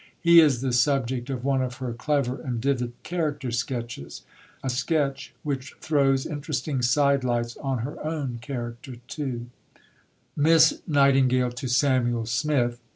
He is the subject of one of her clever and vivid character sketches a sketch which throws interesting side lights on her own character too: (_Miss Nightingale to Samuel Smith.